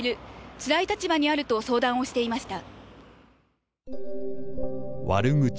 つらい立場にある」と相談をしていました。